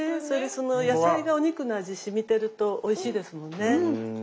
それでその野菜がお肉の味しみてるとおいしいですもんね。